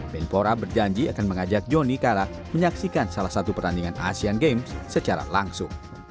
menpora berjanji akan mengajak johnny kara menyaksikan salah satu pertandingan asean games secara langsung